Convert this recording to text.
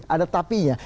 ada tapi nya